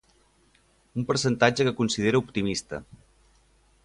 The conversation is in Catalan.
Un percentatge que considera optimista.